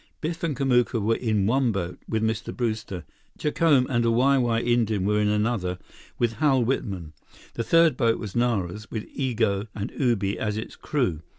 Biff and Kamuka were in one boat with Mr. Brewster. Jacome and a Wai Wai Indian were in another with Hal Whitman. The third boat was Nara's, with Igo and Ubi as its crew.